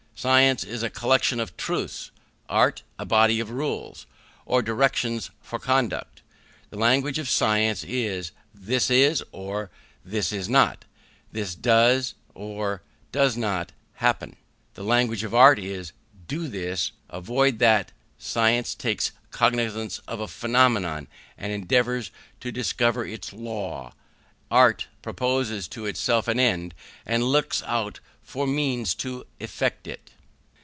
Science is a collection of truths; art, a body of rules, or directions for conduct. The language of science is, This is, or, This is not; This does, or does not, happen. The language of art is, Do this; Avoid that. Science takes cognizance of a phenomenon, and endeavours to discover its law; art proposes to itself an end, and looks out for means to effect it.